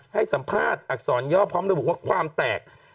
ให้สัมภาษณ์อักษรย่อพร้อมระบุว่าความแตก